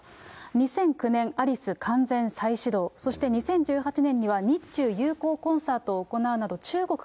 ２００９年、アリス完全再始動、そして２０１８年には、日中友好コンサートを行うなど、